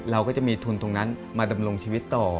เราก็จะมีทุนตรงนั้นมาดำรงชีวิตต่อ